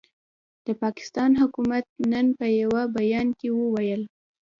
د پاکستان حکومت نن په یوه بیان کې وویل،